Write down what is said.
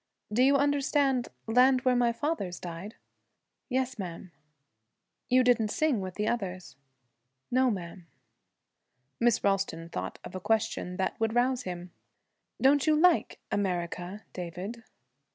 'Do you understand "Land where my fathers died"?' 'Yes, ma'am.' 'You didn't sing with the others.' 'No, ma'am.' Miss Ralston thought of a question that would rouse him. 'Don't you like "America," David?'